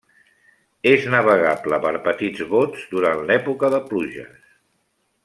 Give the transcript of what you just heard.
És navegable per petits bots durant l'època de pluges.